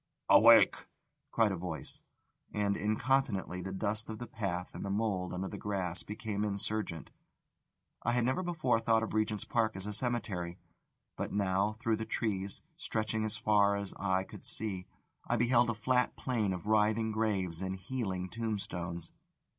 "Awake!" cried a voice; and incontinently the dust of the path and the mould under the grass became insurgent. I had never before thought of Regent's Park as a cemetery, but now, through the trees, stretching as far as eye could see, I beheld a flat plain of writhing graves and heeling tombstones.